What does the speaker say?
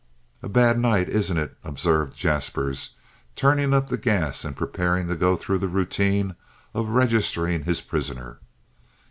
"A bad night, isn't it?" observed Jaspers, turning up the gas and preparing to go through the routine of registering his prisoner.